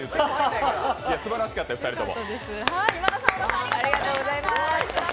いや、すばらしかったよ、２人とも。